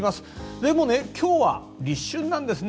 でも、今日は立春なんですね。